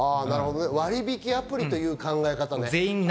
割引アプリという考えね。